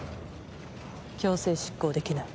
強制執行できない。